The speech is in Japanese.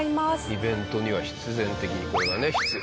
イベントには必然的にこれはね必要。